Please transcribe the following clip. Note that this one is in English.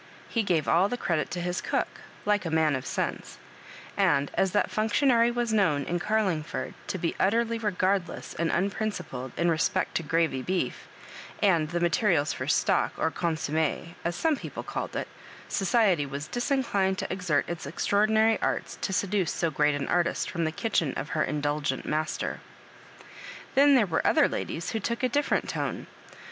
lie gave all the credit to his cook, like a man of sense; and as that functionary was known in Oarlingford to be utterly regardless and unprinci pled in respect to gravy b^f, and the materials for stock" or "consomme," as some people called it, sodety was disinclined to exert its ordi nary arts to seduce so great an artist from the kitchen of her indulgent master. Then there were other ladies who took a different tone.